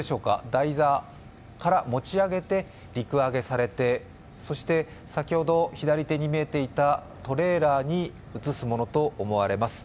台座から持ち上げて陸揚げされて、そして先ほど左手に見えていたトレーラーに移すものと思われます。